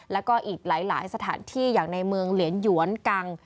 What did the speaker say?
แล้วก็อีกหลายสถานที่อย่างในเมืองเหลียนหยวนกัง